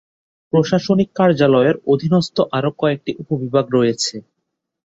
প্রশাসনিক কার্যালয়ের অধীনস্থ আরো কয়েকটি উপবিভাগ রয়েছে।